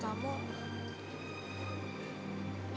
ya aku harus terima